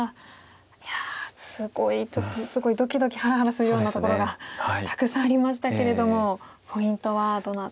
いやすごいちょっとすごいドキドキハラハラするようなところがたくさんありましたけれどもポイントはどの辺りですか？